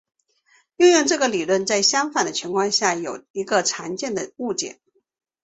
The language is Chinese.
应用这个理论在相反的情况下有一个常见的误解。